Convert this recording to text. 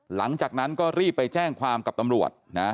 หลังจากนั้นก็รีบไปแจ้งความกับตำรวจนะ